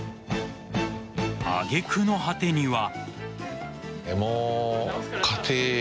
挙げ句の果てには。